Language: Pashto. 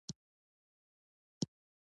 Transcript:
دریابونه د افغانستان د سیلګرۍ برخه ده.